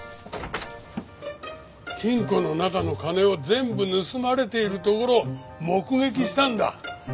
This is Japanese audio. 金庫の中の金を全部盗まれているところを目撃したんだ。